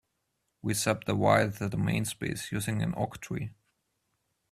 We subdivide the domain space using an octree.